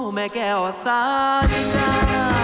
โอ้แม่แก้วสาลิกา